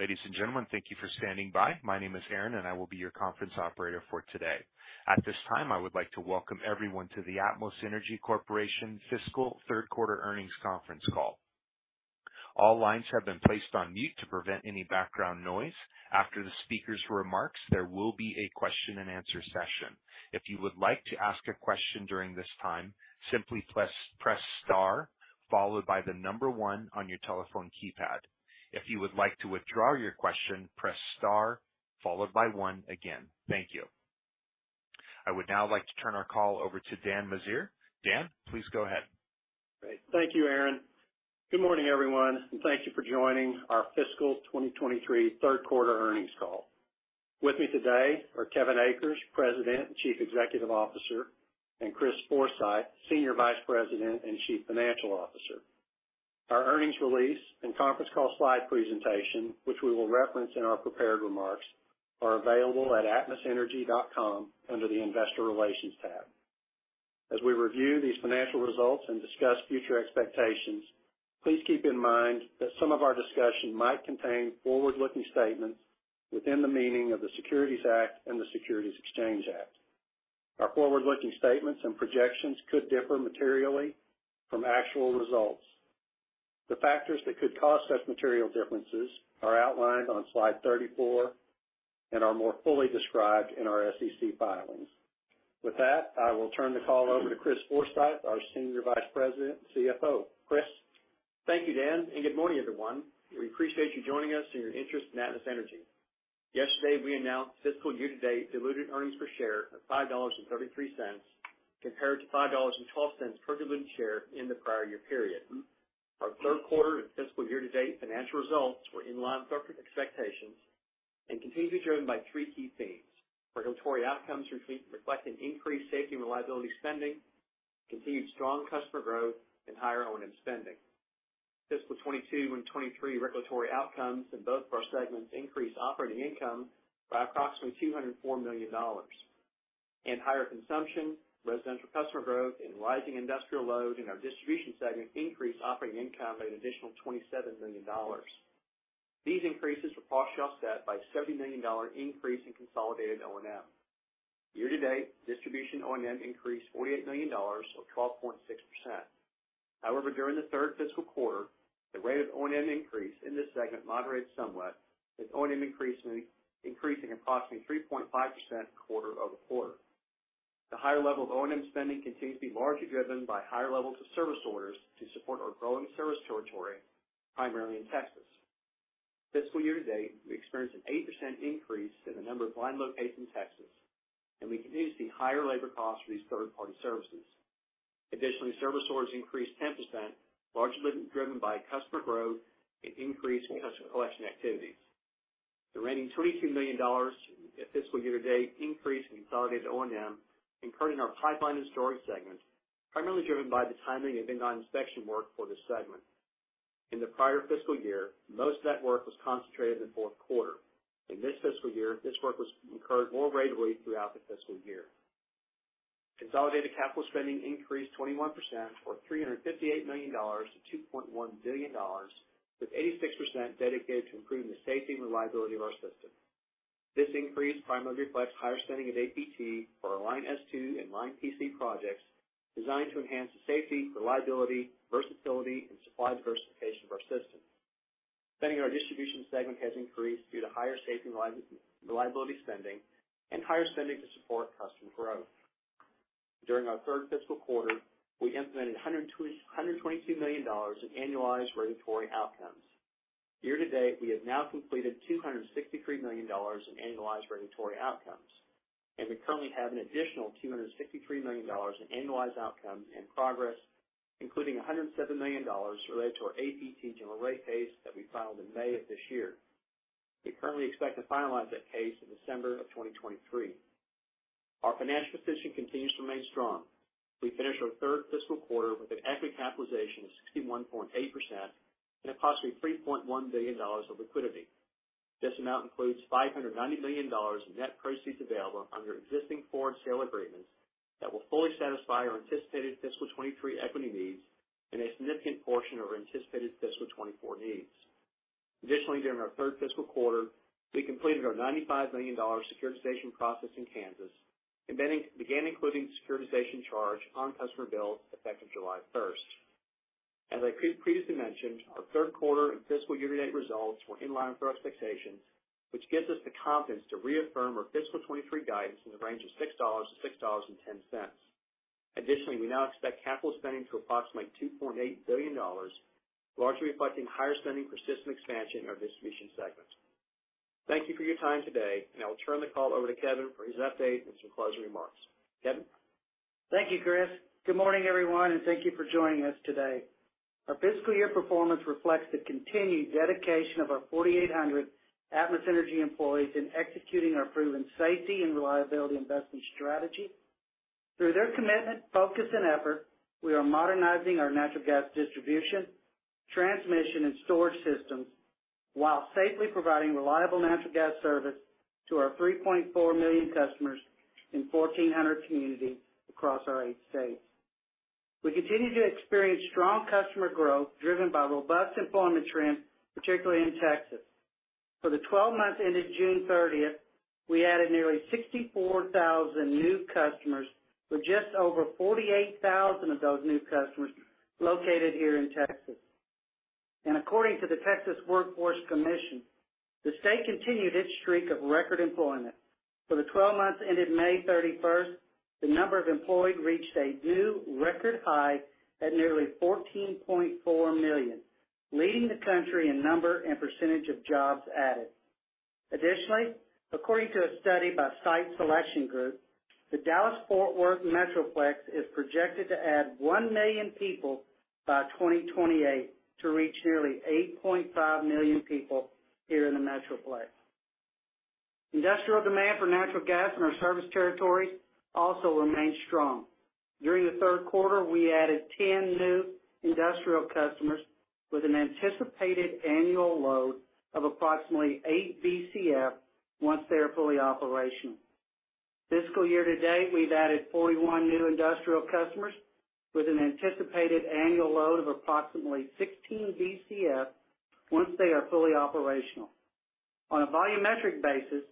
Ladies and gentlemen, thank you for standing by. My name is Aaron. I will be your conference operator for today. At this time, I would like to welcome everyone to the Atmos Energy Corporation Fiscal Third Quarter Earnings Conference Call. All lines have been placed on mute to prevent any background noise. After the speaker's remarks, there will be a question-and-answer session. If you would like to ask a question during this time, simply press star, followed by the number one on your telephone keypad. If you would like to withdraw your question, press star followed by one again. Thank you. I would now like to turn our call over to Dan Meziere. Dan, please go ahead. Great. Thank you, Aaron. Good morning, everyone, and thank you for joining our fiscal 2023 3rd quarter earnings call. With me today are Kevin Akers, President and Chief Executive Officer, and Chris Forsythe, Senior Vice President and Chief Financial Officer. Our earnings release and conference call slide presentation, which we will reference in our prepared remarks, are available at atmosenergy.com, under the Investor Relations tab. As we review these financial results and discuss future expectations, please keep in mind that some of our discussion might contain forward-looking statements within the meaning of the Securities Act and the Securities Exchange Act. Our forward-looking statements and projections could differ materially from actual results. The factors that could cause such material differences are outlined on slide 34 and are more fully described in our SEC filings. With that. I will turn the call over to Chris Forsythe, our Senior Vice President, CFO. Chris? Thank you, Dan. Good morning, everyone. We appreciate you joining us and your interest in Atmos Energy. Yesterday, we announced fiscal year-to-date diluted earnings per share of $5.33, compared to $5.12 per diluted share in the prior year period. Our third quarter and fiscal year-to-date financial results were in line with our expectations and continue to be driven by three key themes: regulatory outcomes reflecting increased safety and reliability spending, continued strong customer growth, and higher O&M spending. Fiscal 2022 and 2023 regulatory outcomes in both of our segments increased operating income by approximately $204 million. Higher consumption, residential customer growth, and rising industrial load in our distribution segment increased operating income by an additional $27 million. These increases were partially offset by a $70 million increase in consolidated O&M. Year-to-date, distribution O&M increased $48 million or 12.6%. However, during the third fiscal quarter, the rate of O&M increase in this segment moderated somewhat, with O&M increasing approximately 3.5% quarter-over-quarter. The higher level of O&M spending continues to be largely driven by higher levels of service orders to support our growing service territory, primarily in Texas. Fiscal year-to-date, we experienced an 8% increase in the number of line locations in Texas, and we continue to see higher labor costs for these third-party services. Additionally, service orders increased 10%, largely driven by customer growth and increased customer collection activities. The remaining $22 million fiscal year-to-date increase in consolidated O&M incurred in our pipeline and storage segments, primarily driven by the timing of in-line inspection work for this segment. In the prior fiscal year, most of that work was concentrated in the fourth quarter. In this fiscal year, this work was incurred more regularly throughout the fiscal year. Consolidated capital spending increased 21% or $358 million to $2.1 billion, with 86% dedicated to improving the safety and reliability of our system. This increase primarily reflects higher spending at APT for our Line S2 and Line PC projects, designed to enhance the safety, reliability, versatility, and supply diversification of our system. Spending in our distribution segment has increased due to higher safety and reliability spending and higher spending to support customer growth. During our third fiscal quarter, we implemented $122 million in annualized regulatory outcomes. Year-to-date, we have now completed $263 million in annualized regulatory outcomes. We currently have an additional $263 million in annualized outcomes and progress, including $107 million related to our APT general rate case that we filed in May of this year. We currently expect to finalize that case in December of 2023. Our financial position continues to remain strong. We finished our third fiscal quarter with an equity capitalization of 61.8% and approximately $3.1 billion of liquidity. This amount includes $590 million in net proceeds available under existing forward sale agreements that will fully satisfy our anticipated fiscal 2023 equity needs and a significant portion of our anticipated fiscal 2024 needs. Additionally, during our third fiscal quarter, we completed our $95 million securitization process in Kansas and then began including the securitization charge on customer bills effective July 1st. As I previously mentioned, our third quarter and fiscal year-to-date results were in line with our expectations, which gives us the confidence to reaffirm our fiscal 2023 guidance in the range of $6.00-$6.10. Additionally, we now expect capital spending to approximate $2.8 billion, largely reflecting higher spending for system expansion in our distribution segment. Thank you for your time today, and I will turn the call over to Kevin for his update and some closing remarks. Kevin? Thank you, Chris. Good morning, everyone, and thank you for joining us today. Our fiscal year performance reflects the continued dedication of our 4,800 Atmos Energy employees in executing our proven safety and reliability investment strategy. Through their commitment, focus, and effort, we are modernizing our natural gas distribution, transmission, and storage systems while safely providing reliable natural gas service to our 3.4 million customers in 1,400 communities across our eight states. We continue to experience strong customer growth, driven by robust employment trends, particularly in Texas. For the 12 months ended June 30th, we added nearly 64,000 new customers, with just over 48,000 of those new customers located here in Texas. According to the Texas Workforce Commission, the state continued its streak of record employment. For the 12 months ended May 31st, the number of employed reached a new record high at nearly 14.4 million, leading the country in number and % of jobs added. According to a study by Site Selection Group, the Dallas-Fort Worth Metroplex is projected to add 1 million people by 2028 to reach nearly 8.5 million people here in the Metroplex. Industrial demand for natural gas in our service territories also remains strong. During the 3rd quarter, we added 10 new industrial customers with an anticipated annual load of approximately 8 BCF once they are fully operational. Fiscal year to date, we've added 41 new industrial customers with an anticipated annual load of approximately 16 BCF once they are fully operational. On a volumetric basis,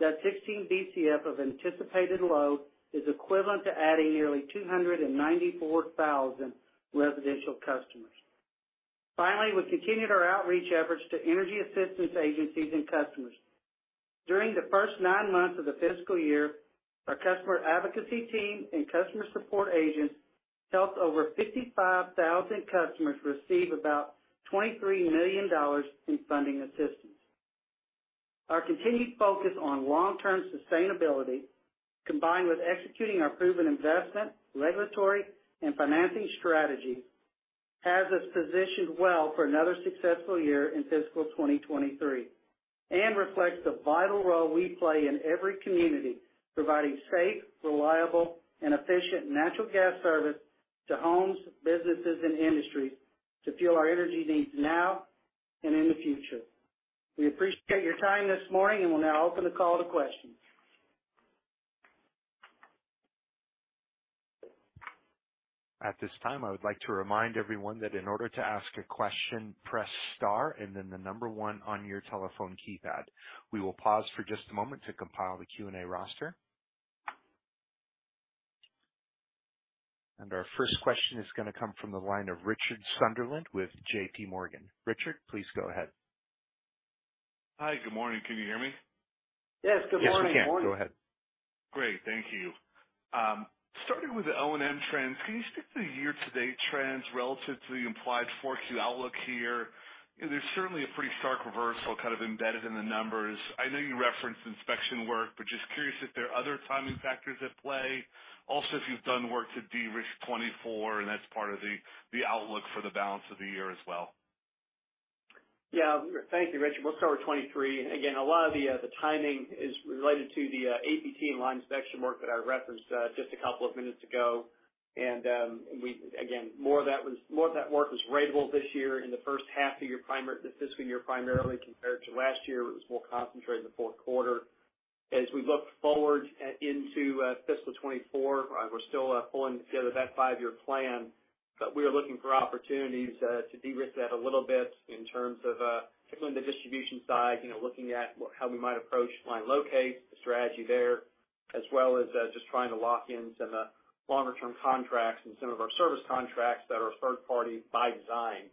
that 16 BCF of anticipated load is equivalent to adding nearly 294,000 residential customers. Finally, we continued our outreach efforts to energy assistance agencies and customers. During the first nine months of the fiscal year, our customer advocacy team and customer support agents helped over 55,000 customers receive about $23 million in funding assistance. Our continued focus on long-term sustainability, combined with executing our proven investment, regulatory, and financing strategy, has us positioned well for another successful year in fiscal 2023, and reflects the vital role we play in every community, providing safe, reliable, and efficient natural gas service to homes, businesses, and industries to fuel our energy needs now and in the future. We appreciate your time this morning, and we'll now open the call to questions. At this time, I would like to remind everyone that in order to ask a question, press star and then the number 1 on your telephone keypad. We will pause for just a moment to compile the Q&A roster. Our first question is going to come from the line of Richard Sunderland with JP Morgan. Richard, please go ahead. Hi, good morning. Can you hear me? Yes, good morning. Yes, we can. Go ahead. Great, thank you. Starting with the O&M trends, can you speak to the year-to-date trends relative to the implied fourth Q outlook here? There's certainly a pretty stark reversal kind of embedded in the numbers. I know you referenced inspection work, but just curious if there are other timing factors at play. Also, if you've done work to de-risk 2024, and that's part of the, the outlook for the balance of the year as well. Thank you, Richard. We'll cover 23. Again, a lot of the timing is related to the APT and line inspection work that I referenced just a couple of minutes ago. again, more of that was, more of that work was ratable this year in the first half of the year, the fiscal year, primarily, compared to last year, it was more concentrated in the fourth quarter. As we look forward, into fiscal 2024, we're still pulling together that 5-year plan, but we are looking for opportunities to de-risk that a little bit in terms of particularly on the distribution side, you know, looking at how we might approach line locate, the strategy there, as well as just trying to lock in some longer-term contracts and some of our service contracts that are third party by design.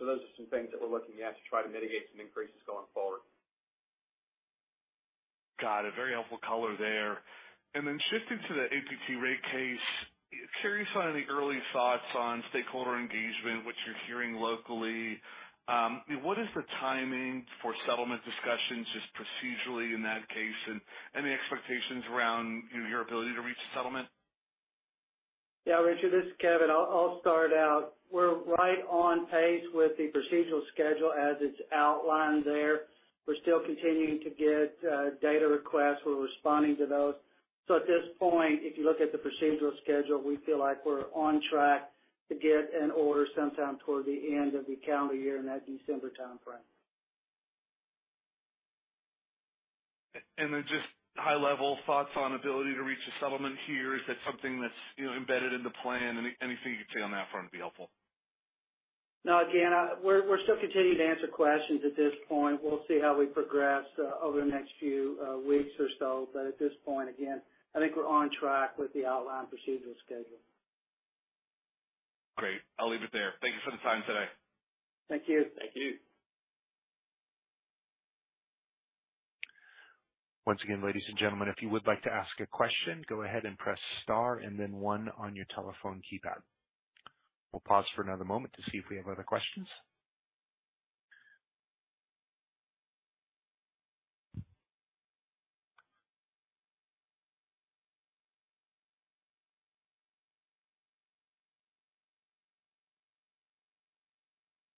Those are some things that we're looking at to try to mitigate some increases going forward. Got it. Very helpful color there. Shifting to the APT rate case, curious on the early thoughts on stakeholder engagement, what you're hearing locally? What is the timing for settlement discussions, just procedurally in that case, and any expectations around, you know, your ability to reach a settlement? Yeah, Richard, this is evin. I'll start out. We're right on pace with the procedural schedule as it's outlined there. We're still continuing to get data requests. We're responding to those. At this point, if you look at the procedural schedule, we feel like we're on track to get an order sometime toward the end of the calendar year in that December timeframe. Then just high-level thoughts on ability to reach a settlement here. Is that something that's, you know, embedded in the plan? Any, anything you can say on that front would be helpful. No, again, we're, we're still continuing to answer questions at this point. We'll see how we progress over the next few weeks or so. At this point, again, I think we're on track with the outlined procedural schedule. Great. I'll leave it there. Thank you for the time today. Thank you. Thank you. Once again, ladies and gentlemen, if you would like to ask a question, go ahead and press star and then one on your telephone keypad. We'll pause for another moment to see if we have other questions.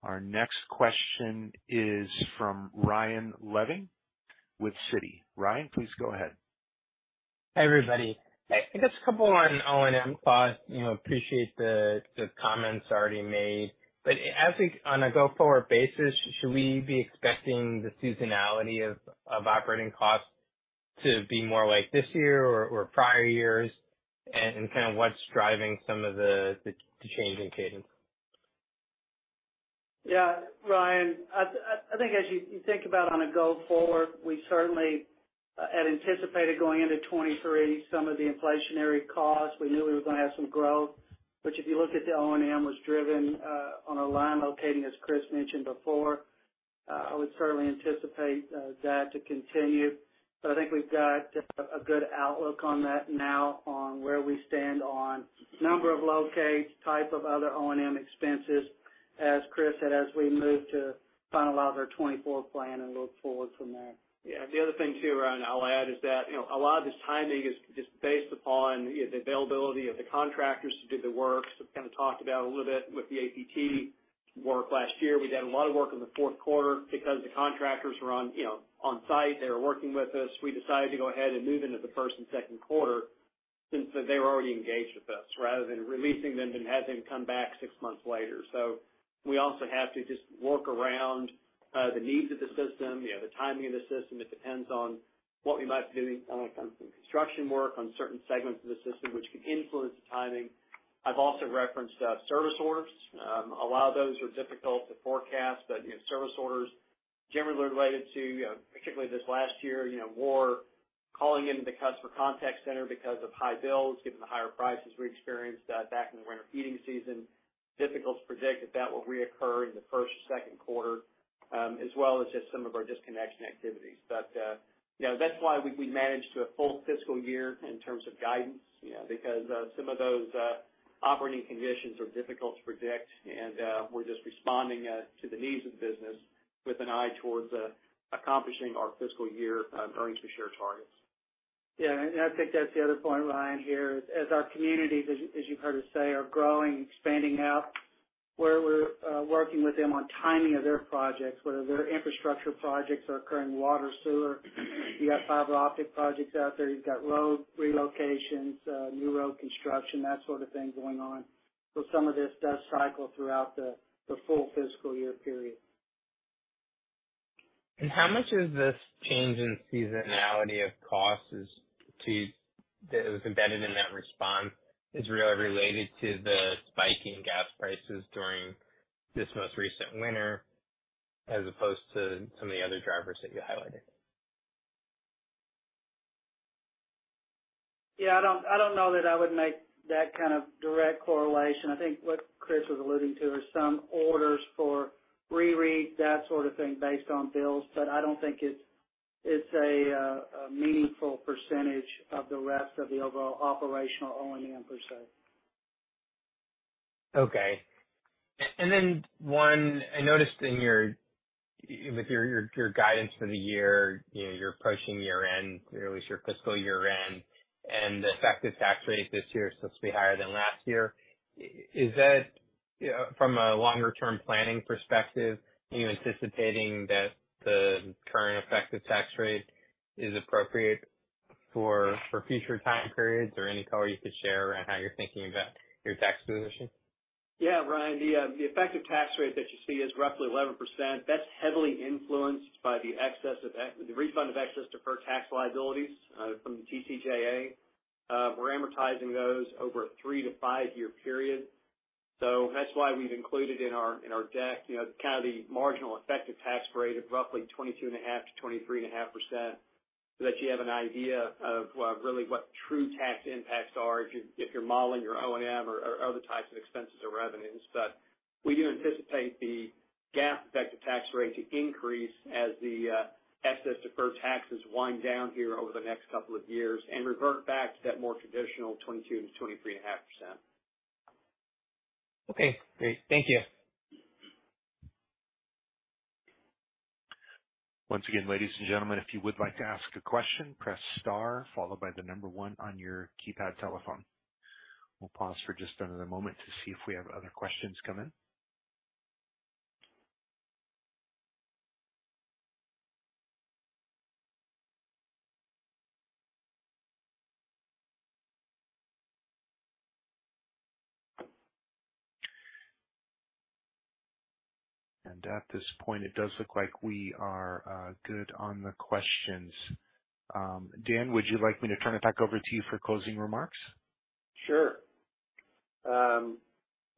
Our next question is from Ryan Levine with Citi. Ryan, please go ahead. Hi, everybody. Just a couple on O&M costs. Appreciate the, the comments already made, but as on a go-forward basis, should we be expecting the seasonality of, of operating costs to be more like this year or, or prior years? And kind of what's driving some of the, the, the change in cadence? Yeah, Ryan, as you, you think about on a go forward, we certainly had anticipated going into 2023, some of the inflationary costs. We knew we were gonna have some growth, which, if you look at the O&M, was driven on a line locating, as Chris mentioned before. I would certainly anticipate that to continue. I think we've got a, a good outlook on that now on where we stand on number of locates, type of other O&M expenses, as Chris said, as we move to finalize our 2024 plan and look forward from there. Yeah. The other thing, too, Ryan, I'll add, is that, you know, a lot of this timing is just based upon the availability of the contractors to do the work. Kind of talked about a little bit with the APT work last year. We did a lot of work in the fourth quarter because the contractors were on, you know, on site. They were working with us. We decided to go ahead and move into the Q1 and Q2since they were already engaged with us, rather than releasing them and have them come back six months later. We also have to just work around the needs of the system, you know, the timing of the system. It depends on what we might be doing on some construction work on certain segments of the system, which can influence the timing. I've also referenced service orders. A lot of those are difficult to forecast, you know, service orders generally related to, particularly this last year, you know, more calling into the customer contact center because of high bills, given the higher prices we experienced, back in the winter heating season. Difficult to predict if that will reoccur in the Q1 and Q2 as well as just some of our disconnection activities. that's why we, we manage to a full fiscal year in terms of guidance, you know, because, some of those, operating conditions are difficult to predict. We're just responding, to the needs of business with an eye towards, accomplishing our fiscal year, earnings per share targets. I think that's the other point, Ryan, here is as our communities, as you've heard us say, are growing and expanding out, where we're working with them on timing of their projects, whether they're infrastructure projects or occurring water, sewer, you've got fiber optic projects out there, you've got road relocations, new road construction, that sort of thing going on. Some of this does cycle throughout the full fiscal year period. How much is this change in seasonality of costs that was embedded in that response is really related to the spike in gas prices during this most recent winter, as opposed to some of the other drivers that you highlighted? I don't know that I would make that kind of direct correlation. I think what Chris was alluding to is some orders for re-read, that sort of thing, based on bills, but I don't think it's, it's a, a meaningful percentage of the rest of the overall operational O&M per se. Okay. Then, one, I noticed in your, with your guidance for the year, you know, you're approaching year-end, clearly your fiscal year-end, and the effective tax rate this year is supposed to be higher than last year. Is that, from a longer-term planning perspective, are you anticipating that the current effective tax rate is appropriate for, for future time periods? Or any color you could share around how you're thinking about your tax position. Yeah, Ryan, the effective tax rate that you see is roughly 11%. That's heavily influenced by the refund of excess deferred tax liabilities from the TCJA. We're amortizing those over a 3-5 year period, so that's why we've included in our, in our deck, you know, kind of the marginal effective tax rate of roughly 22.5%-23.5%, so that you have an idea of really what true tax impacts are if you're, if you're modeling your O&M or, or other types of expenses or revenues. We do anticipate the GAAP effective tax rate to increase as the excess deferred taxes wind down here over the next couple of years and revert back to that more traditional 22%-23.5%. Okay, great. Thank you. Once again, ladies and gentlemen, if you would like to ask a question, press star, followed by the number 1 on your keypad telephone. We'll pause for just another moment to see if we have other questions come in. At this point, it does look like we are good on the questions. Dan, would you like me to turn it back over to you for closing remarks? Sure.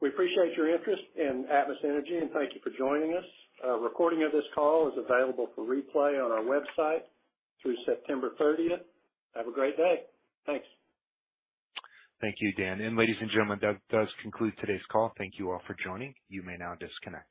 We appreciate your interest in Atmos Energy, and thank you for joining us. A recording of this call is available for replay on our website through September thirtieth. Have a great day. Thanks. Thank you, Dan. Ladies and gentlemen, that does conclude today's call. Thank you all for joining. You may now disconnect.